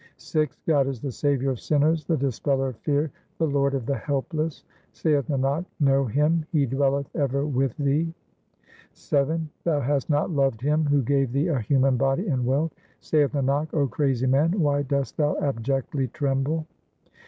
yj God is the Saviour of sinners, the Dispeller of fear, the Lord of the helpless ; Saith Nanak, know Him, He dwelleth ever with thee. SLOKS OF GURU TEG BAHADUR 415 VII Thou hast not loved Him who gave thee a human body and wealth : Saith Nanak, O crazy man, why dost thou abjectly tremble